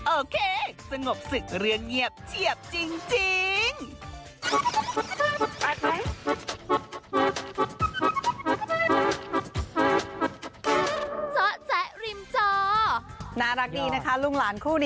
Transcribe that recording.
โอเคสงบศึกเรื่องเงียบเฉียบจริง